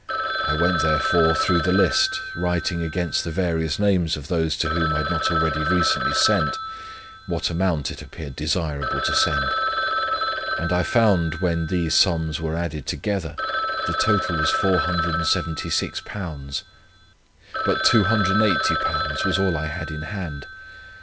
I went therefore through the list, writing against the various names of those to whom I had not already recently sent, what amount it appeared desirable to send; and I found, when these sums were added together, the total was £476, but £280 was all I had in hand.